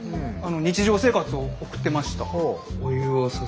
日常生活を送ってました。